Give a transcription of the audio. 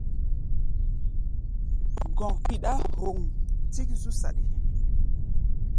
Gɔ̧ kpiɗá hoŋ tík zú saɗi.